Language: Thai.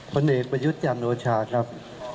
ผลเอกประยุทธ์จันโอชาครับ